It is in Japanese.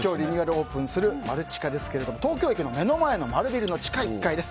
オープンするマルチカですが東京駅の目の前の丸ビルの地下１階です。